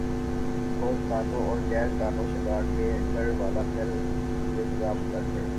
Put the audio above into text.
اورقانو اور غیر قانون شکار کر والہ کے ل سزا مقرر کر